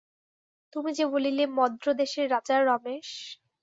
তুমি যে বলিলে মদ্রদেশের রাজা- রমেশ।